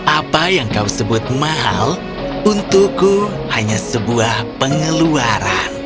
apa yang kau sebut mahal untukku hanya sebuah pengeluaran